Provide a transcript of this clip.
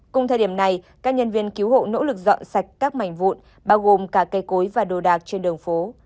cùng thời điểm này các nhân viên cứu hộ nỗ lực dọn sạch các mảnh vụn bao gồm cả cây cối và đồ đạc trên đường phố